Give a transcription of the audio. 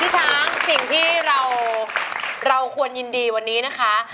ช้างสิ่งที่เราควรยินดีวันนี้นะคะ